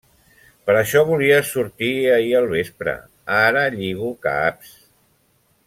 Per això volies sortir ahir al vespre! Ara lligo caps!